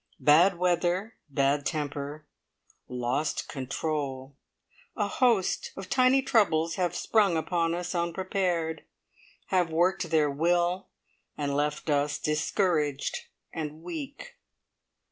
Bad weather, bad temper, lost control, a host of tiny troubles have sprung upon us unprepared; have worked their will, and left us discouraged and weak.